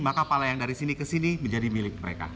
maka pala yang dari sini ke sini menjadi milik mereka